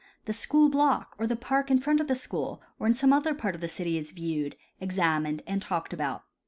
The school block or the park in front of the school or in some other part of the city is viewed, examined and talked about.